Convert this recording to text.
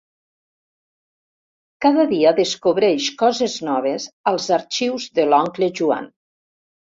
Cada dia descobreix coses noves als arxius de l'oncle Joan.